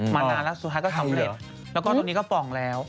นานแล้วสุดท้ายก็สำเร็จแล้วก็ตัวนี้ก็ป่องแล้ว